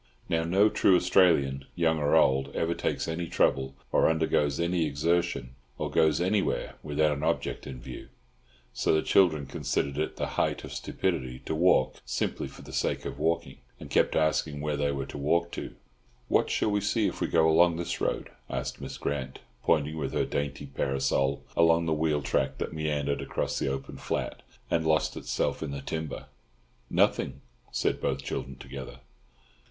Now, no true Australian, young or old, ever takes any trouble or undergoes any exertion or goes anywhere without an object in view. So the children considered it the height of stupidity to walk simply for the sake of walking, and kept asking where they were to walk to. "What shall we see if we go along this road?" asked Miss Grant, pointing with her dainty parasol along the wheel track that meandered across the open flat and lost itself in the timber. "Nothing," said both children together.